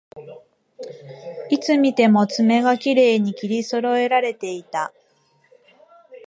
いつ見ても爪がきれいに切りそろえられていた